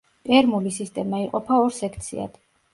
პერმული სისტემა იყოფა ორ სექციად.